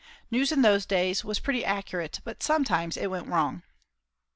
News in those days was pretty accurate, but it sometimes went wrong.